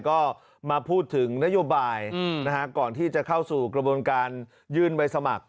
ก็มาพูดถึงนโยบายก่อนที่จะเข้าสู่กระบวนการยื่นใบสมัคร